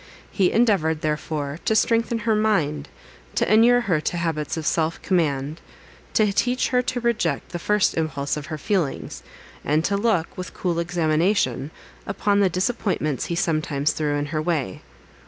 He endeavoured, therefore, to strengthen her mind; to enure her to habits of self command; to teach her to reject the first impulse of her feelings, and to look, with cool examination, upon the disappointments he sometimes threw in her way.